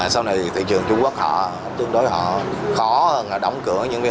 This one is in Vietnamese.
sau này thị trường trung quốc tương đối họ khó hơn là đóng cửa